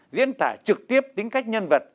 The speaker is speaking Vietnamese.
diễn tả trực tiếp tính cách nhân vật